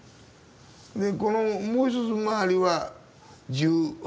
でこのもう一つ周りは１８世紀。